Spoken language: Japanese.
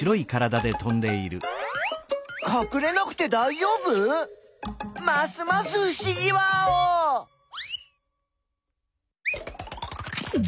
かくれなくてだいじょうぶ？